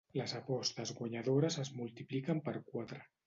Les apostes guanyadores es multipliquen per quatre.